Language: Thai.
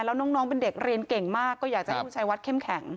แล้วน้องเป็นเด็กเรียนเก่งมากก็อยากจะให้คุณชายวัดเข้มแข็ง